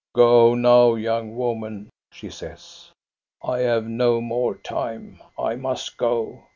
" Go now, young woman," she says. " I have no more time. I must go.